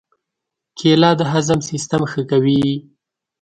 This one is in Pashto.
کېله د هضم سیستم ښه کوي.